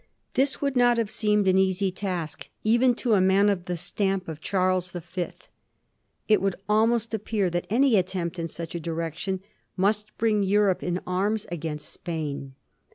This would not have seemed an easy task, even to a man of the stamp of Charles the Fifth. It would almost appear that any attempt in such a direction must bring Europe in arms against Spain.